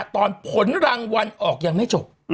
ตอนผลรางวัลออกยังไม่จบ